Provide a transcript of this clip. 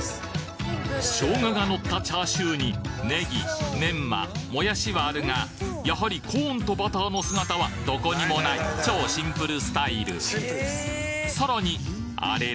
ショウガがのったチャーシューにネギメンマもやしはあるがやはりコーンとバターの姿はどこにもない超シンプルスタイルさらにあれれ？